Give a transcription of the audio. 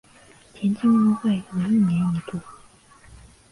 田径运动会为一年一度。